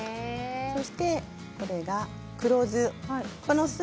そしてこれが黒酢です。